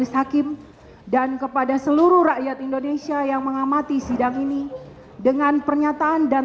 hakim dan kepada seluruh rakyat indonesia yang mengamati sidang ini dengan pernyataan dan